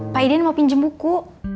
pak idan mau pinjem buku